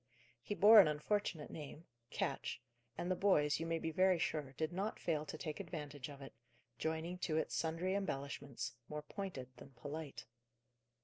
He bore an unfortunate name Ketch and the boys, you may be very sure, did not fail to take advantage of it, joining to it sundry embellishments, more pointed than polite.